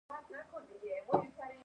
د هندوکش سویلي برخه ولې توده ده؟